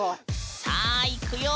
さあいくよ！